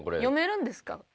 読めるんですか？